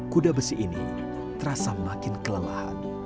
kuda besi ini terasa makin kelelahan